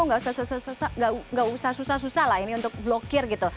nggak usah susah susah lah ini untuk blokir gitu